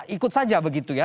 ikut saja begitu ya